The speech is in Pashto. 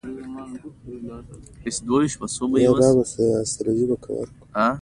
دا په شرق کې دي.